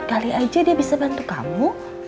kali aja dia bisa bantu kamu